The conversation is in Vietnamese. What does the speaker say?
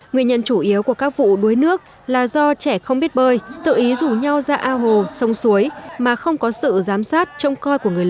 nguyên nhân chủ yếu của các vụ đuối nước là do trẻ không biết bơi tự ý rủ nhau ra ao hồ sông suối mà không có sự giám sát trông coi của người lớn